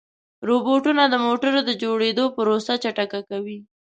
روبوټونه د موټرو د جوړېدو پروسه چټکه کوي.